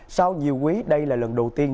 sau nhiều quý đây là lần đầu tiên